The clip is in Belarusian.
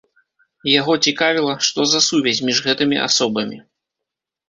Яго цікавіла, што за сувязь між гэтымі асобамі.